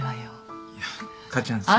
いや母ちゃんそれ。